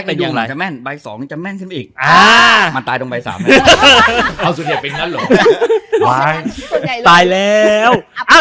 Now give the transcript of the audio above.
ตายยังไงใบสองจะแม่นอ่าจะตายตอนไปสาม